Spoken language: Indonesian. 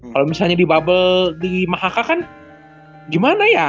kalau misalnya di bubble di mahaka kan gimana ya